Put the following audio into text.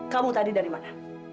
kamu tadi dari mana